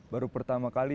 baru pertama kali